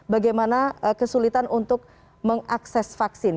bagaimana kesulitan untuk mengakses vaksin